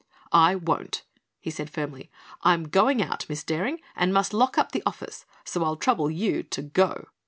"I won't," he said firmly. "I'm going out, Miss Daring, and must lock up the office; so I'll trouble you to go."